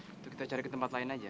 untuk kita cari ke tempat lain aja